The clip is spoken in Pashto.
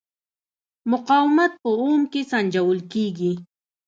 مقاومت په اوم کې سنجول کېږي.